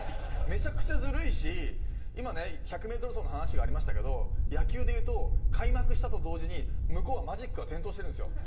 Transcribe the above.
めちゃくちゃずるいし今ね１００メートル走の話がありましたけど野球でいうと開幕したと同時に向こうはマジックが点灯してるんですよ。